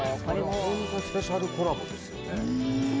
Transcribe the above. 本当、スペシャルコラボですよね。